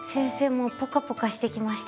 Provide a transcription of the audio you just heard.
もうポカポカしてきました。